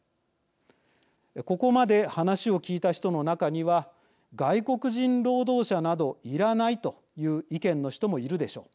ここまで話を聞いた人の中には外国人労働者などいらないという意見の人もいるでしょう。